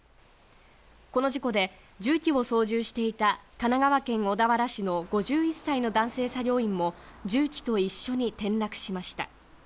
この事故で重機を操縦していた神奈川県小田原市の５１歳の男性作業員も重機と一緒に転落しました。